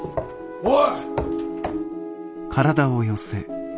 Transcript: おい！